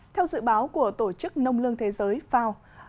theo dự báo của tổ chức nông lương thế giới fao